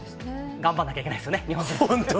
頑張らないといけないですよね、本当に。